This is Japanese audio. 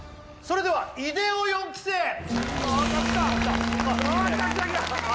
それではいでよ４期生！